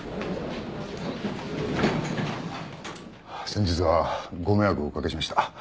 先日はご迷惑をおかけしました。